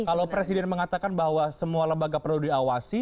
kalau presiden mengatakan bahwa semua lembaga perlu diawasi